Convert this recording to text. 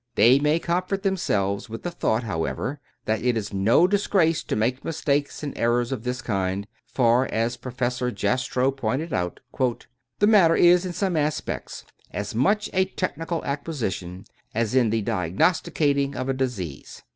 They may comfort themselves with the thought, however, that it is no disgrace to make mistakes and errors of this kind ; for, as Professor Jastrow pointed out:* '' The matter is in some aspects as much a technical ac quisition as in the diagnosticating of a disease.